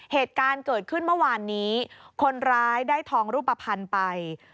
เหตุการณ์เกิดขึ้นเมื่อวานนี้คนร้ายได้ทองรูปภัณฑ์ไป